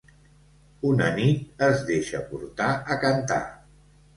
Una nit, es deixa portar a cantar.